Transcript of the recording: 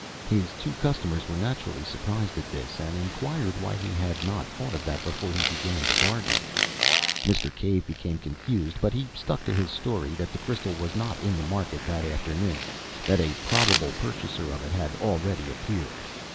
His two customers were naturally surprised at this, and inquired why he had not thought of that before he began to bargain. Mr. Cave became confused, but he stuck to his story, that the crystal was not in the market that afternoon, that a probable purchaser of it had already appeared.